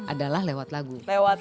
adalah lewat lagu